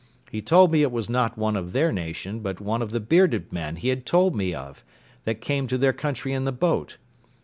He told me it was not one of their nation, but one of the bearded men he had told me of, that came to their country in the boat.